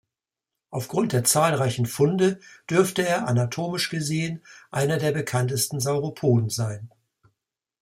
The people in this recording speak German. Aufgrund der zahlreichen Funde dürfte er anatomisch gesehen einer der bekanntesten Sauropoden sein.